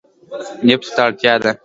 نفتو ته اړتیا ده.